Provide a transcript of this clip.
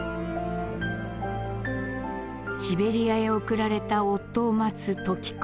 シベリアヘ送られた夫を待つ時子。